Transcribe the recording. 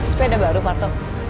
sepeda baru marto